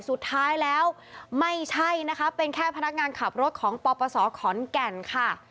สุดท้ายแล้วไม่ใช่นะคะเป็นแค่พนักงานขับรถของปปศขอนแก่นค่ะ